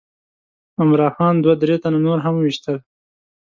عمرا خان دوه درې تنه نور هم وویشتل.